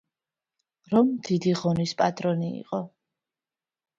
რომ დიდი ღონის პატრონი იყო